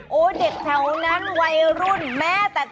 โหเด็กแถวนั้นวายรุ่นมาก